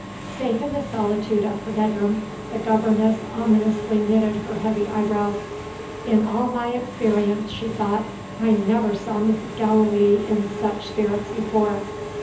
Safe in the solitude of her bedroom, the governess ominously knitted her heavy eyebrows. "In all my experience," she thought, "I never saw Mrs. Gallilee in such spirits before.